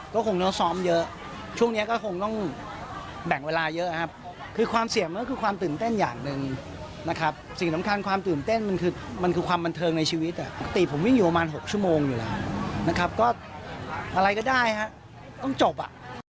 ก็คงต้องซ้อมเยอะช่วงนี้ก็คงต้องแบ่งเวลาเยอะครับคือความเสี่ยงมันก็คือความตื่นเต้นอย่างหนึ่งนะครับสิ่งสำคัญความตื่นเต้นมันคือมันคือความบันเทิงในชีวิตปกติผมวิ่งอยู่ประมาณ๖ชั่วโมงอยู่แล้วนะครับก็อะไรก็ได้ฮะต้องจบอ่ะ